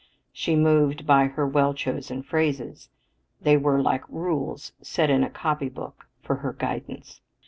She moved by her well chosen phrases; they were like rules set in a copybook for her guidance.